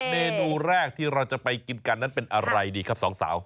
เมนูแรกที่เราจะไปกินกันนั้นเป็นอะไรดีครับสองสาว